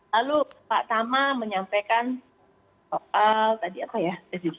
lalu pak tama menyampaikan soal tadi apa ya